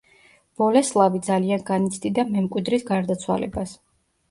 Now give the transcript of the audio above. ბოლესლავი ძალიან განიცდიდა მემკვიდრის გარდაცვალებას.